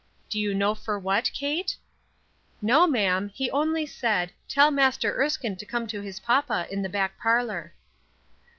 " Do you know for what, Kate ?"" No, ma'am ; he only said, ' Tell Master Erskine to come to his papa in the back parlor.'